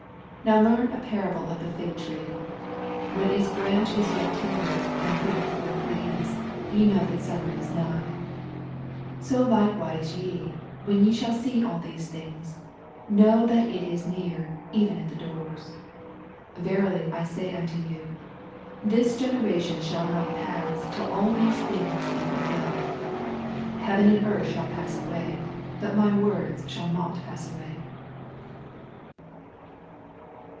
82 Now learn a parable of the fig tree : When his branch is yet tender, and putteth forth leaves, ye know that summer is nigh : 88 So likewise ye, when ye shall see all these things, know that it is near, even at the doors. 84 Verily I say unto you. This gen eration shall not pass till all these things be fulfilled. 85 Heaven and earth shall pass away, but my words shall not pass away.